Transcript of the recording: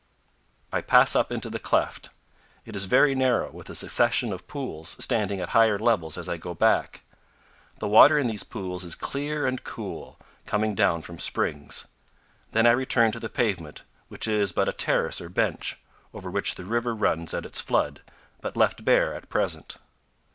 I pass up into the cleft. It is very narrow, with a succession of pools standing at higher levels as I go back. The water in these pools is clear and cool, coming down from springs. Then I return to the pavement, which is but a terrace or bench, over which the river runs at its flood, but left bare at present.